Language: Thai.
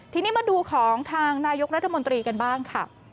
ทีนี้มาดูของทางนายกรัฐมนตรีกันบ้างค่ะ